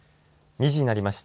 ２時になりました。